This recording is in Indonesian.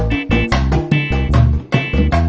jangan takut kotoran tekap